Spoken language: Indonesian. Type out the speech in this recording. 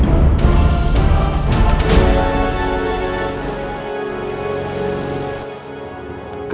buat rakam ber yahya